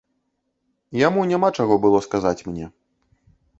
Яму няма чаго было сказаць мне.